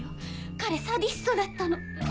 彼サディストだったの。